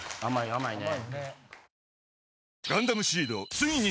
甘いね。